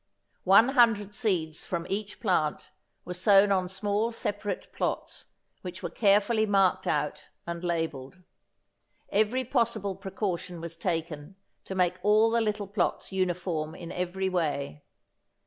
One hundred seeds from each plant were sown on small separate plots which were carefully marked out and labelled. Every possible precaution was taken to make all the little plots uniform in every way.